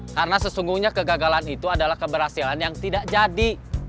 karena sesungguhnya kegagalan itu adalah keberhasilan yang tidak jadi